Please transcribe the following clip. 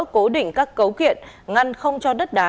cố định các cấu kiện ngăn không cho đất đá